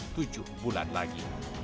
tujuh bulan lagi